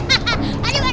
kalo hijau dilawan